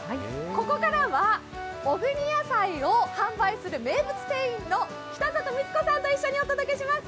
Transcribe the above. ここからは小国野菜を販売する名物店員の北里光子さんと一緒にお届けします。